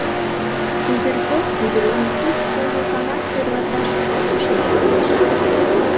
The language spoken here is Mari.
Пузырьков ӱдырлан сурт сомылкамат тӧрлаташ полшышын коеш.